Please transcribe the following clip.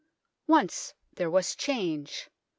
Once there was change.